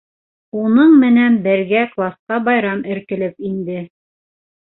Уның менән бергә класҡа байрам эркелеп инде.